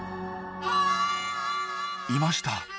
いました。